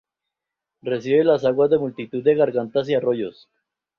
Recibe las aguas de multitud de gargantas y arroyos.